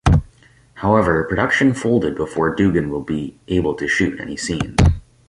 However production folded before Dugan would be able to shoot any scenes.